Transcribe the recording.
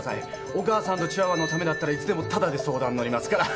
お母さんとチワワのためだったらいつでもタダで相談乗りますから。